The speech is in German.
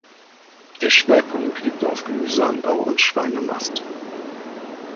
Der Schwerpunkt liegt auf Gemüseanbau und Schweinemast.